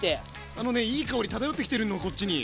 あのねいい香り漂ってきてるのこっちに。